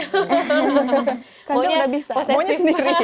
kanza udah bisa maunya sendiri